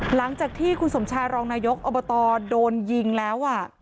หลังจากที่คุณสมชายรองนายกอบตโดนยิงแล้ว